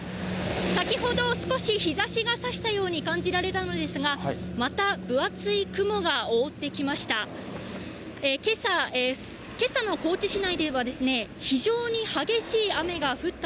先ほど、少し日ざしがさしたような感じられたのですが、また分厚い雲が覆ってきました。